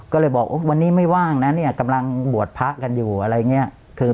ก็เลยบอกวันนี้ไม่ว่างนะเนี่ยกำลังบวชพระกันอยู่อะไรอย่างนี้